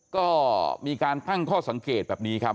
ก็มีการตั้งข้อสังเกตแบบนี้ครับ